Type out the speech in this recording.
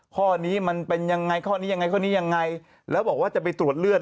ข้อนี้มันเป็นยังไงข้อนี้ยังไงแล้วบอกว่าจะไปตรวจเลือด